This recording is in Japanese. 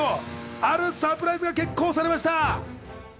あるサプライズが決行されました。